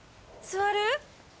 座る？